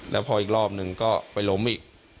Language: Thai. แล้วพออีกรอบหนึ่งก็ไปล้มอีก